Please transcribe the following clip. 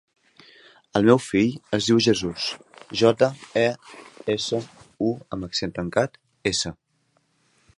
El meu fill es diu Jesús: jota, e, essa, u amb accent tancat, essa.